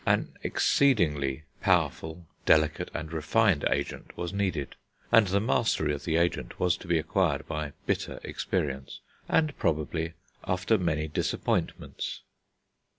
An exceedingly powerful, delicate, and refined agent was needed; and the mastery of the agent was to be acquired by bitter experience, and, probably, after many disappointments.